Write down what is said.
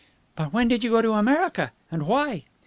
"But when did you go to America? And why?"